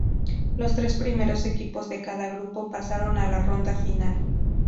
Los tres primeros equipos de cada grupo pasaron a la ronda final.